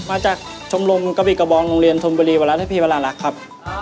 มาจากชมรมกะบิกระบองโรงเรียนธมบุรีวรัฐให้พี่วรารักษ์ครับ